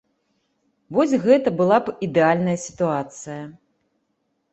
Вось гэта была б ідэальная сітуацыя!